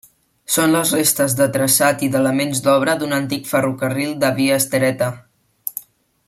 Són les restes de traçat i d'elements d'obra d'un antic ferrocarril de via estreta.